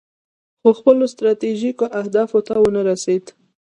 خو خپلو ستراتیژیکو اهدافو ته ونه رسید.